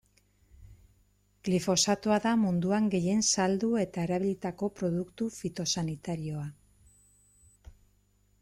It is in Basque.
Glifosatoa da munduan gehien saldu eta erabilitako produktu fitosanitarioa.